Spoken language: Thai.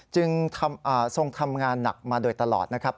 จึงทรงทำงานหนักมาโดยตลอดนะครับ